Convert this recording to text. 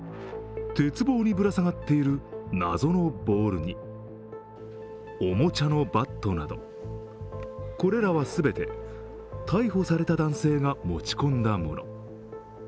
鉄棒にぶら下がっている、謎のボールにおもちゃのバットなどこれらは全て逮捕された男性が持ち込んだもの。